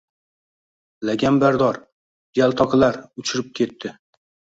Laganbardor, yaltoqilar urchib ketdi